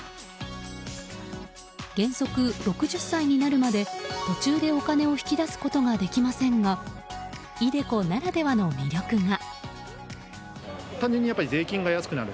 原則６０歳になるまで途中で、お金を引き出すことができませんがｉＤｅＣｏならではの魅力が。